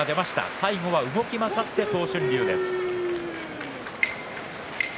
最後は動き回った東俊隆です。